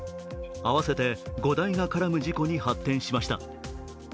合わせて５台が絡む事故に発展しました。